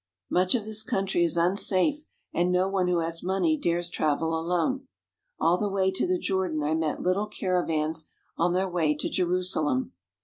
Much of this country is unsafe, and no one who has money dares travel alone. All the way to the Jor dan I met little caravans on their way to Jerusalem.